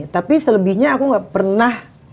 tapi selebihnya aku gak pernah